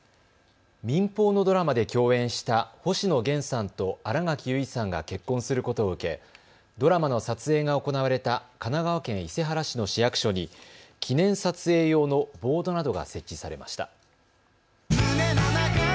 民放のドラマで共演した星野源さんと新垣結衣さんが結婚することを受け、ドラマの撮影が行われた神奈川県伊勢原市の市役所に記念撮影用のボードなどが設置されました。